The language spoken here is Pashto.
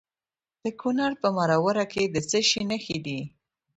د کونړ په مروره کې د څه شي نښې دي؟